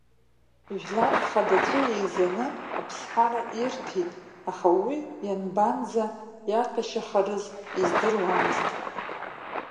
Жәлар рхадацәа еизаны Аԥсҳара ирҭеит, аха уи ианбанӡа иаҭәашьахарыз издыруамызт.